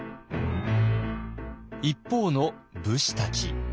一方の武士たち。